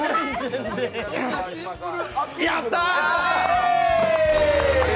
やったー！